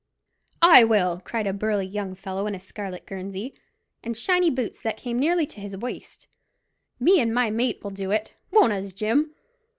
"I will," cried a burly young fellow in a scarlet guernsey, and shiny boots that came nearly to his waist; "me and my mate will do it, won't us, Jim?"